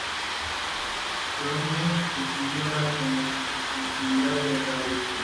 Coulomb descubrió la conductividad del aire.